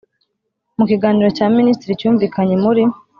mu kiganiro cya minisitiri cyumvikanye muri